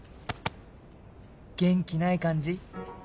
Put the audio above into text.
元気ない感じ？